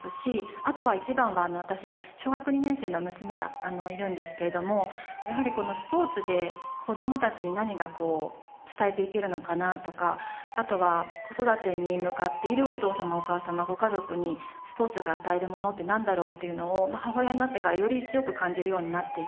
あとは一番は私小学２年生の娘がいるんですけれどもやはりこのスポーツで子どもたちに何が伝えていけるのかなとかあとは子育てに向かっているお父様お母様ご家族にスポーツが与えるものってなんだろうっていうのを母親になってからより強く感じるようになっていて。